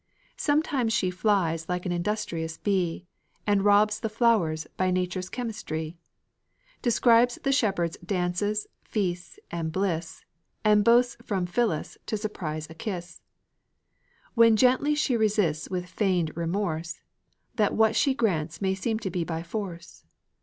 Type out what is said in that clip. Sometimes she flies like an industrious bee, And robs the flowers by nature's chemistry; Describes the shepherd's dances, feasts, and bliss, And boasts from Phyllis to surprise a kiss, When gently she resists with feigned remorse, That what she grants may seem to be by force.